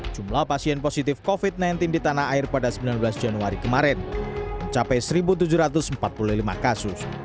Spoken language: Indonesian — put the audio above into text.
jumlah pasien positif covid sembilan belas di tanah air pada sembilan belas januari kemarin mencapai satu tujuh ratus empat puluh lima kasus